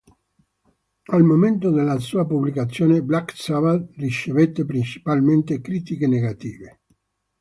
Al momento della sua pubblicazione, "Black Sabbath" ricevette principalmente critiche negative.